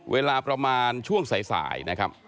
เวลาประมาณช่วงสายนะครับ